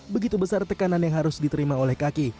begitu besar tekanan yang harus diterima oleh kaki